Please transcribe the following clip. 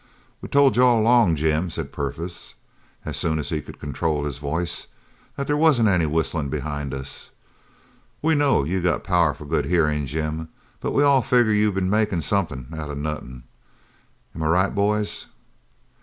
"We told you all along, Jim," said Purvis, as soon as he could control his voice, "that there wasn't any whistlin' behind us. We know you got powerful good hearin', Jim, but we all figger you been makin' somethin' out of nothin'. Am I right, boys?"